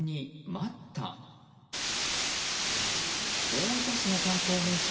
大分市の観光名所